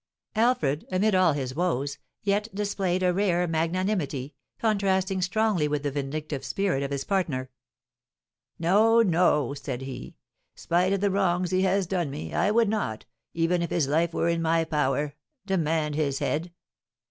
Alfred, amid all his woes, yet displayed a rare magnanimity, contrasting strongly with the vindictive spirit of his partner. "No, no," said he; "spite of the wrongs he has done me, I would not, even if his life were in my power, 'demand his head!'"